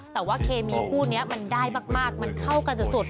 แต่ว่าเคมีคู่นี้มันได้มากมันเข้ากันสุด